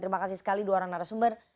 terima kasih sekali dua orang narasumber